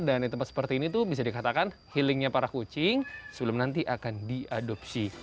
dan di tempat seperti ini tuh bisa dikatakan healingnya para kucing sebelum nanti akan diadopsi